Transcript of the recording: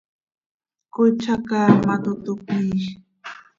Cói tzacaamat oo, toc cömiij.